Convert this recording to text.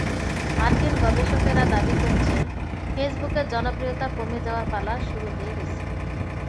মার্কিন গবেষকেরা দাবি করছেন, ফেসবুকের জনপ্রিয়তা কমে যাওয়ার পালা শুরু হয়ে গেছে।